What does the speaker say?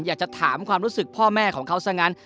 อยากจะถามความรู้สึกพ่อแม่ของเขาซะงั้น